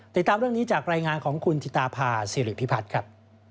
ติดตามเรื่องนี้จากรายงานของคุณธิตาภาษิริพิพัฒน์ครับ